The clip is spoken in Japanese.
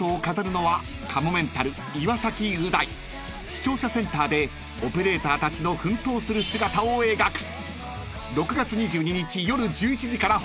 ［視聴者センターでオペレーターたちの奮闘する姿を描く］